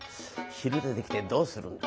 「昼出てきてどうするんだ。